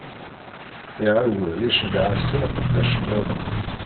Iɛawed iceggeɛ-asen iqeddacen-nniḍen.